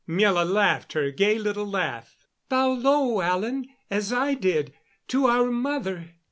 Miela laughed her gay little laugh. "Bow low, Alan as I did to our mother."